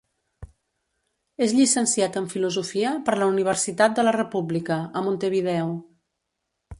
És llicenciat en Filosofia per la Universitat de la República, a Montevideo.